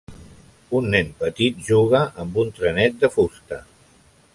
Un nen petit juga amb un trenet de fusta.